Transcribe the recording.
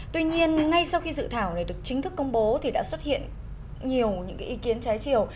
tuy nhiên ngay sau khi dự thảo này được chính thức công bố thì đã xuất hiện nhiều những cái ý kiến trái chiều